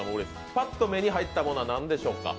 パッと目に入ったものは何でしょうか。